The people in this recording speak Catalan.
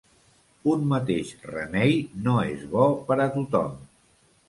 Un mateix remei no és bo per a tothom.